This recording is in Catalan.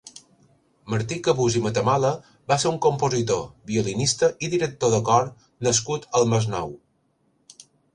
Martí Cabús i Matamala va ser un compositor, violinista i director de cor nascut al Masnou.